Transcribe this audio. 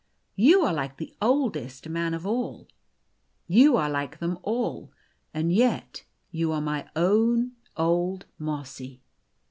You are like the oldest man of all. You are like them all. And yet you are my own old Mossy